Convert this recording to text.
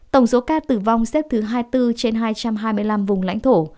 tổng số ca tử vong xếp thứ hai mươi bốn trên hai trăm hai mươi năm vùng lãnh thổ